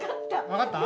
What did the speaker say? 分かった。